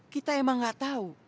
kita emang gak tahu